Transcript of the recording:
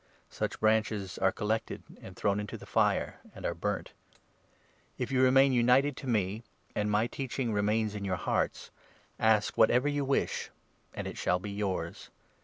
Such branches are collected and thrown into the fire, and are burnt. If you remain united to me, and my teaching remains 7 in your hearts, ask whatever you wish, and it shall be yours.